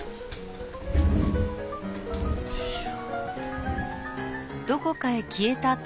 よいしょ。